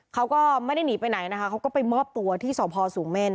เขาก็ไม่ได้หนีไปไหนนะคะเขาก็ไปมอบตัวที่สพสูงเม่น